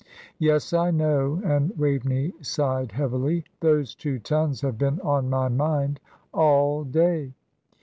"Yes, I know;" and Waveney sighed heavily. "Those two tons have been on my mind all day."